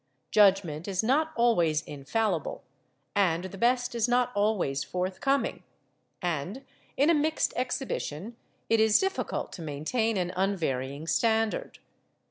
Judgment is not always infallible, and the best is not always forthcoming, and in a mixed exhibition it is difficult to maintain an unvarying standard.